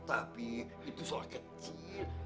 tapi itu soal kecil